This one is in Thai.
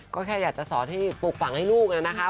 ก็แค่อยากจะสอนให้ปลูกฝังให้ลูกนะคะ